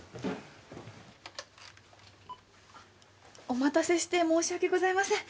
お待たせして申し訳ございません